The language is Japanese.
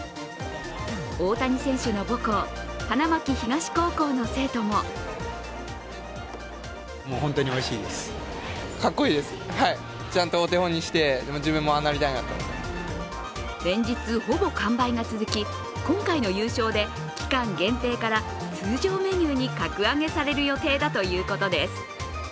大谷選手の母校、花巻東高校の生徒も連日ほぼ完売が続き今回の優勝で、期間限定から通常メニューに格上げされる予定だということです。